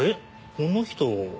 この人。